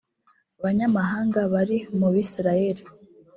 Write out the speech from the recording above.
banyamahanga bari mu bisirayeli